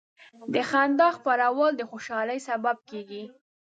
د خندا خپرول د خوشحالۍ سبب کېږي.